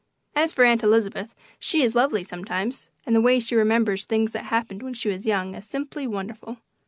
As for Aunt Elizabeth, she is lovely sometimes, and the way she remembers things that happened when she was young is simply wonderful.